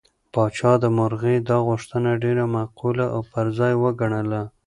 پاچا د مرغۍ دا غوښتنه ډېره معقوله او پر ځای وګڼله.